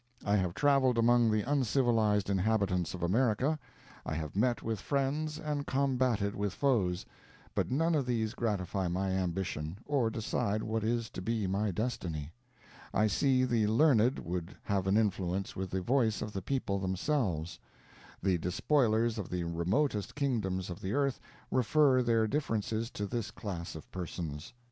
I have traveled among the uncivilized inhabitants of America. I have met with friends, and combated with foes; but none of these gratify my ambition, or decide what is to be my destiny. I see the learned would have an influence with the voice of the people themselves. The despoilers of the remotest kingdoms of the earth refer their differences to this class of persons.